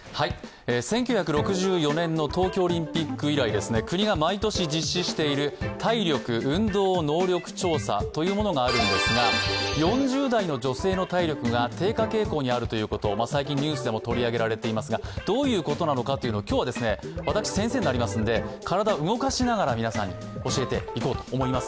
１９６４年の東京オリンピック以来国が毎年実施している、体力・運動能力調査というものがあるんですが、４０代女性の体力が低下傾向にあるということが最近ニュースでも取り上げられていますがどういうことなのか今日は私、先生になりますので体を動かしながら皆さんに教えていこうと思います。